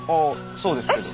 そうですけど。